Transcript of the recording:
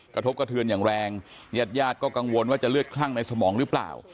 กระทบกระเทือนอย่างแรงญาติญาติก็กังวลว่าจะเลือดคลั่งในสมองหรือเปล่า